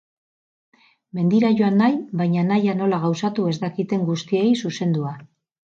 Mendira joan nahi, baina nahia nola gauzatu ez dakiten guztiei zuzendua.